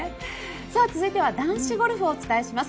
続いては男子ゴルフをお伝えします。